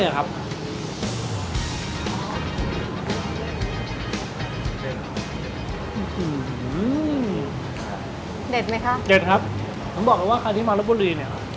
เด็ดไหมคะเด็ดครับผมบอกเลยว่าใครที่มารบบุรีเนี่ย